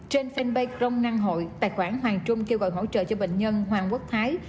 trên fanpage rong năng hội tài khoản hoàng trung kêu gọi hỗ trợ cho bệnh nhân hoàng quốc thái